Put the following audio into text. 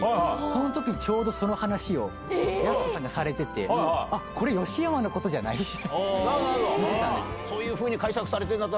そのときちょうどその話を、やす子さんがされてて、これ吉山のことじゃないって。